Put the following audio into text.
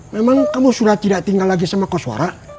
memang kamu sudah tidak tinggal lagi sama kos warah